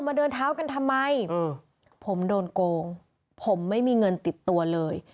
เดินเท้ากันทำไมผมโดนโกงผมไม่มีเงินติดตัวเลย